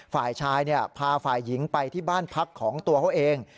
ฝ่ายชายพาฝ่ายหญิงไปที่บ้านพักของตัวเขาเอง